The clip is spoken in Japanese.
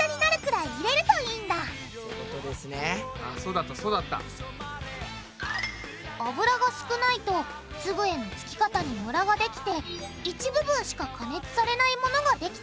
あそうだったそうだった。油が少ないと粒へのつき方にムラができて一部分しか加熱されないものができちゃう。